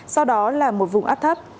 sau đó là một vùng áp thấp